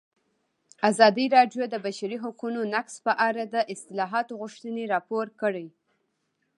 ازادي راډیو د د بشري حقونو نقض په اړه د اصلاحاتو غوښتنې راپور کړې.